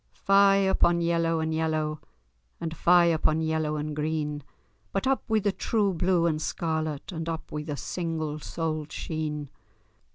Fye upon yellow and yellow, And fye upon yellow and green, But up wi' the true blue and scarlet, And up wi' the single soled sheen.